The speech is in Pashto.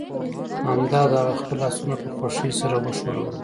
همدا ده هغه خپل لاسونه په خوښۍ سره وښورول